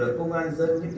công an dân yêu cầu nhiệm vụ